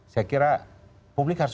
saya kira publik harus